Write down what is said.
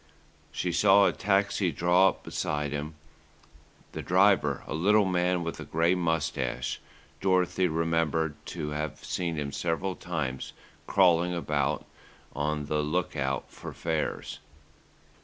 She saw a taxi draw up beside him. The driver, a little man with a grey moustache, Dorothy remembered to have seen him several times "crawling" about on the look out for fares.